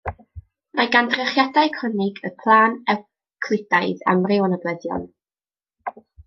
Mae gan drychiadau conig y plân Ewclidaidd amryw o nodweddion.